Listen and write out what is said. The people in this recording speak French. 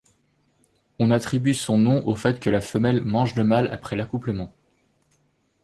On attribue son nom au fait que la femelle mange le mâle après l’accouplement.